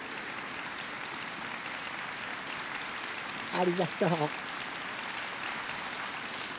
ありがとう。さあ。